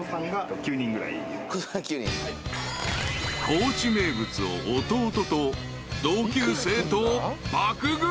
［高知名物を弟と同級生と爆食い］